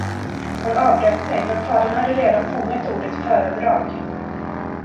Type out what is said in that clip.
Hon avbröt sig, men fadern hade redan fångat ordet föredrag.